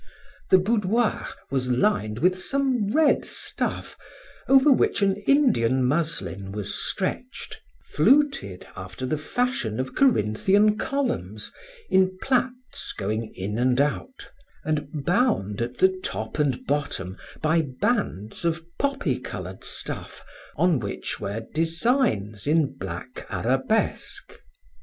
The boudoir was lined with some red stuff, over which an Indian muslin was stretched, fluted after the fashion of Corinthian columns, in plaits going in and out, and bound at the top and bottom by bands of poppy colored stuff, on which were designs in black arabesque.